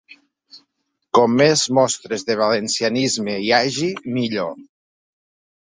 Com més mostres de valencianisme hi hagi, millor.